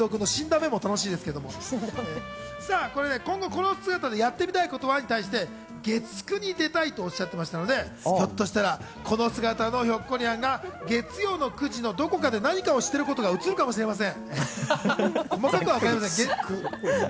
今後この姿でやってみたいことは？に対して、月９に出たいとおっしゃってましたので、ひょっとしたらこの姿のひょっこりはんが月曜９時のどこかで何かをしてる姿が見られるかもしれません。